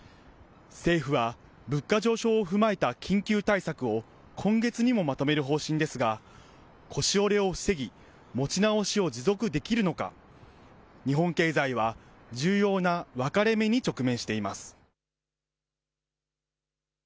政府は物価上昇を踏まえた緊急対策を今月にもまとめる方針ですが腰折れを防ぎ持ち直しを持続できるのか、日本経済は重要な分かれ目に直面しています。